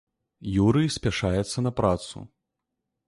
Юрый спяшаецца на працу.